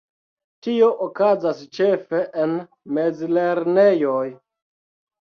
Tio okazas ĉefe en mezlernejoj.